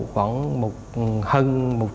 khoảng một hân